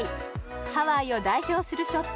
ハワイを代表するショップ